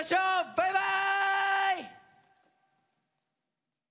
バイバーイ！